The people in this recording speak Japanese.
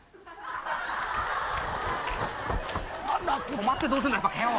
止まってどうすんだよ。